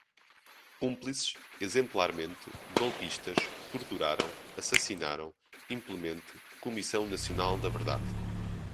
Cúmplices, exemplarmente, golpistas, torturaram, assassinaram, implemente, Comissão Nacional da Verdade